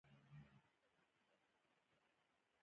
د موټر تېل باید هېڅکله په ځمکه، نل، یا سیند ته ونهتوېل ش